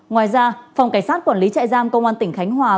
ngoài ra phòng cảnh sát quản lý trại giam công an tỉnh khánh hòa